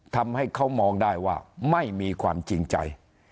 ทำให้เขามองได้ว่าไม่มีความจริงใจ